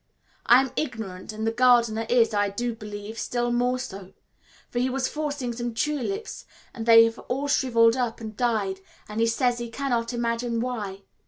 I am ignorant, and the gardener is, I do believe, still more so; for he was forcing some tulips, and they have all shrivelled up and died, and he says he cannot imagine why.